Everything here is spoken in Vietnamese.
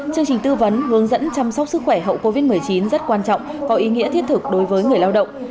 chương trình tư vấn hướng dẫn chăm sóc sức khỏe hậu covid một mươi chín rất quan trọng có ý nghĩa thiết thực đối với người lao động